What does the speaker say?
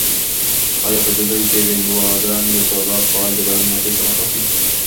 آیا په دوبي کې د بادرنګو سالاډ خوړل د بدن انرژي په سمه ساتي؟